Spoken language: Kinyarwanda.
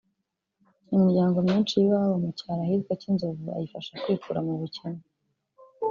Imiryango myinshi y’iwabo mu cyaro ahitwa Cyinzovu ayifasha kwikura mu bukene